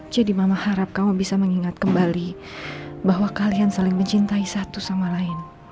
jadi mama harap kamu bisa mengingat kembali bahwa kalian saling mencintai satu sama lain